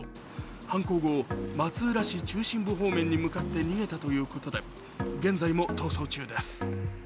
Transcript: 犯行後、松浦市中心部方面に向かって逃げたということで現在も逃走中です。